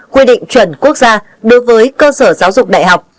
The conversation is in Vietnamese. quy định chuẩn quốc gia đối với cơ sở giáo dục đại học